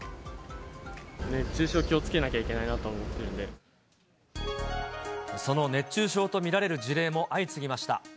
熱中症気をつけなきゃいけなその熱中症と見られる事例も相次ぎました。